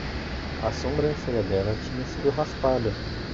A sombrancelha dela tinha sido raspada